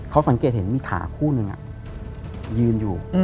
เขาสังเกตเห็นมีขาคู่หนึ่งยืนอยู่